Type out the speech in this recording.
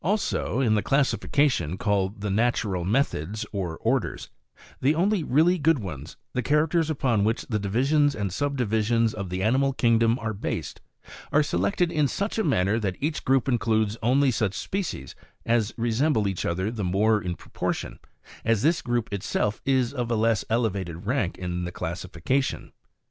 Also, in the classifications called the natural methods or orders, the only really good ones, the characters upon which the divisions and sub di visions of the animal kingdom are based, are selected in such a manner that each group includes only such species as resemble each other the more in proportion as this group itself is of a less elevated rank in the classification.